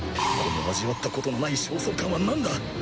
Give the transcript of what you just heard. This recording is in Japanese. この味わったことのない焦燥感はなんだ？